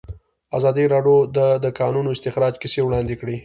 ازادي راډیو د د کانونو استخراج کیسې وړاندې کړي.